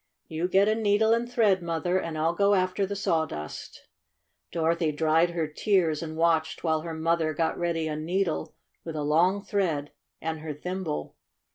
"You get a needle and thread, Mother, and I'll go after the saw dust." Dorothy dried her tears and watched while her mother got ready a needle, with a long thread, and her thimble.